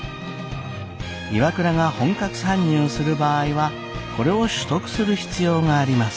ＩＷＡＫＵＲＡが本格参入する場合はこれを取得する必要があります。